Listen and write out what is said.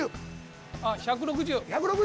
あっ１６０！